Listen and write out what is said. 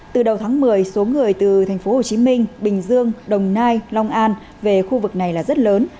từ đầu tháng một mươi số người từ tp hcm bình dương đồng nai long an về khu vực này là rất lớn